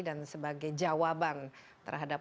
dan sebagai jawaban terhadap